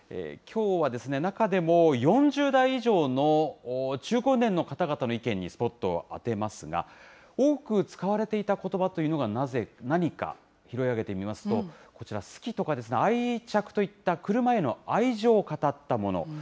きょうは中でも、４０代以上の中高年の方々の意見にスポットを当てますが、多く使われていたことばというのが何か、拾い上げてみますと、こちら、好きとか愛着といったクルマへの愛情を語ったもの。